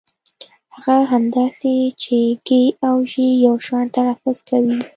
هغه هم داسې چې ږ او ژ يو شان تلفظ کوي.